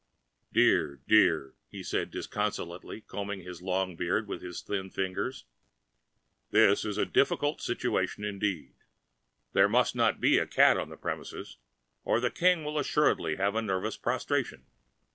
"Dear, dear," he said disconsolately, combing his long beard with his thin fingers. "This is a difficult situation indeed. There must not be a cat on the premises, or the King will assuredly have nervous prostration.